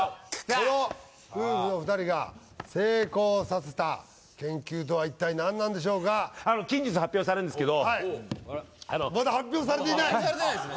この夫婦の２人が成功させた研究とは一体何なんでしょうか近日発表されんですけどまだ発表されていないええ